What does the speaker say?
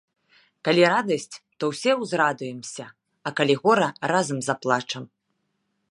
Калі радасць, то ўсе ўзрадуемся, а калі гора, разам заплачам.